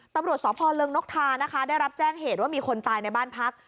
ตำรวจสพเริงนกทานะคะได้รับแจ้งเหตุว่ามีคนตายในบ้านพัก